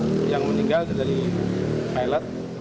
jadi hanya korban yang meninggal dari pilot